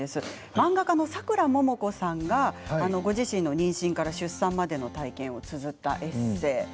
漫画家のさくらももこさんがご自身の妊娠から出産までの体験をつづったエッセーです。